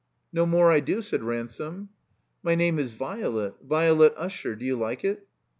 "No more I do," said Ransome. "My name is Violet. Violet Usher. Do you like it?"